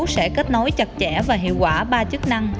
sẽ kết nối chặt chẽ và hiệu quả ba chức năng